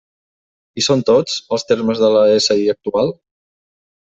Hi són tots, els termes de la SI actual?